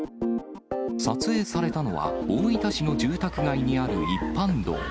撮影されたのは大分市の住宅街にある一般道。